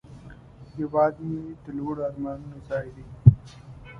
هیواد مې د لوړو آرمانونو ځای دی